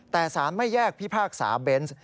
แต่สารไม่แยกพิพากษาเบนส์